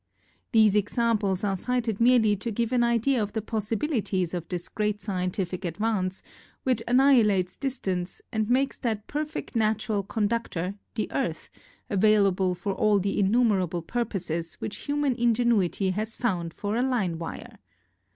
These examples are cited merely to give an idea of the possibilities of this great scientific advance, which annihilates dis tance and makes that perfect natural conductor, the Earth, available for all the innumerable pur poses which human ingenuity has found for a line wire.